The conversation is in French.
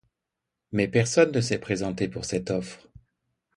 Mais personne ne s'est présenté pour cette offre.